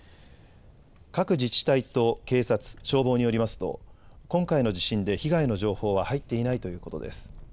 各自治体と警察、消防によりますと、今回の地震で被害の情報は入っていないということです。